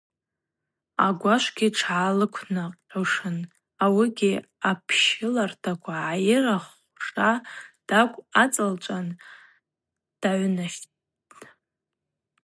Агвашвгьи тшгӏалыквнакъьушын, ауыгьи апщылартаква гӏайыра хвша тӏакӏв ацӏалчван дагӏвнащттӏ.